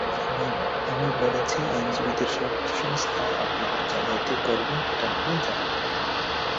আমি বলেছি, আইনজীবীদের সর্বোচ্চ সংস্থায় আপনারা জালিয়াতি করবেন, এটা মানা যায় না।